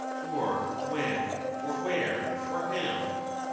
or when, or where, or how?